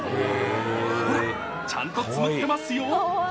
ほら、ちゃんとつむってますよ。